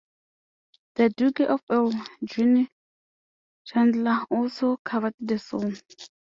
The "Duke of Earl", Gene Chandler, also covered the song.